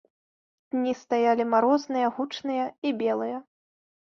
Дні стаялі марозныя, гучныя і белыя.